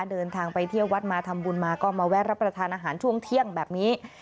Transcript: เดินทางไปเที่ยววัดมาทำบุญมาก็มาแวะรับประทานอาหารช่วงเที่ยงแบบนี้